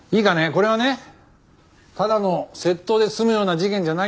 これはねただの窃盗で済むような事件じゃないんだよ。